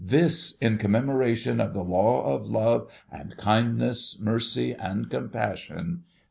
' This, in com memoration of the law of love and kindness, mercy and compassion.